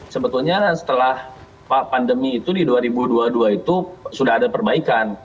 sebetulnya setelah pandemi itu di dua ribu dua puluh dua itu sudah ada perbaikan